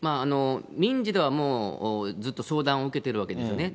民事ではもうずっと相談を受けてるわけですよね。